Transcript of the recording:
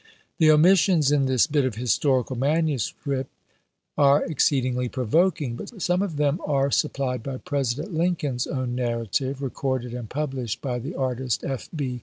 The omissions in this bit of historical manuscript are exceedingly provoking, but some of them are supplied by President Lincoln's own narrative, recorded and published by the artist, F. B.